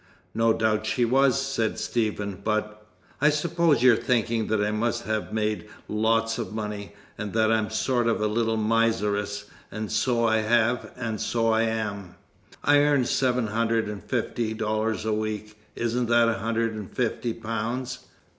"No doubt she was," said Stephen. "But " "I suppose you're thinking that I must have made lots of money, and that I'm a sort of little miseress: and so I have and so I am. I earned seven hundred and fifty dollars a week isn't that a hundred and fifty pounds?